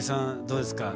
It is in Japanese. どうですか？